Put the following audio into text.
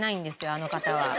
あの方は。